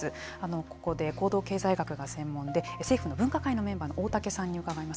ここで、行動経済学が専門で政府分科会のメンバーの大竹さんに伺います。